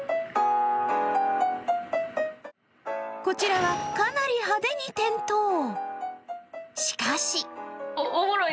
こちらは、かなり派手に転倒。